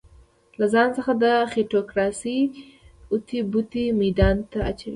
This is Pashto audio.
له ځان څخه د خېټوکراسۍ اوتې بوتې ميدان ته اچوي.